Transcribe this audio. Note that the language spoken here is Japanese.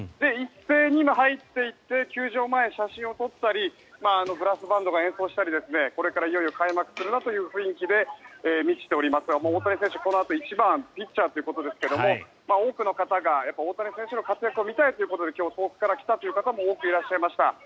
一斉に今入っていって球場前、写真を撮ったりブラスバンドが演奏したりこれからいよいよ開幕するなという雰囲気で満ちておりますが大谷選手、このあと１番ピッチャーということですが多くの方が大谷選手の活躍を見たいということで今日、遠くから来たという方も多くいらっしゃいました。